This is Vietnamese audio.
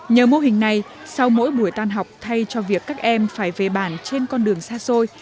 nhờ mô hình này sau mỗi buổi tan học thay cho việc các em phải về bản trên con đường xa xôi